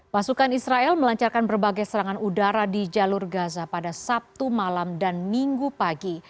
pasukan israel melancarkan berbagai serangan udara di jalur gaza pada sabtu malam dan minggu pagi